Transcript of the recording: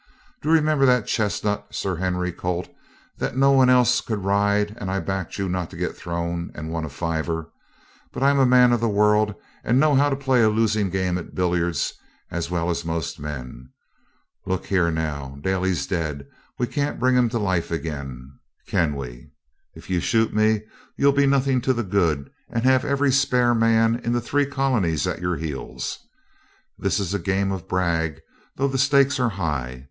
Don't you remember that chestnut Sir Henry colt that no one else could ride, and I backed you not to get thrown, and won a fiver? But I'm a man of the world and know how to play a losing game at billiards as well as most men. Look here now! Daly's dead. We can't bring him to life again, can we? If you shoot me, you'll be nothing to the good, and have every spare man in the three colonies at your heels. This is a game of brag, though the stakes are high.